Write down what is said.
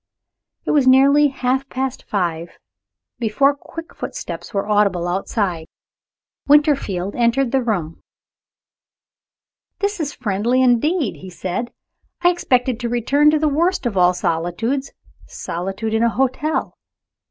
It was nearly half past five before quick footsteps were audible outside. Winterfield entered the room. "This is friendly indeed!" he said. "I expected to return to the worst of all solitudes solitude in a hotel.